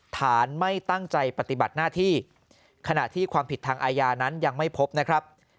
ฐานไม่ตั้งใจปฏิบัติหน้าที่ขณะที่ความผิดทางอาญานั้นยังไม่พบนะครับ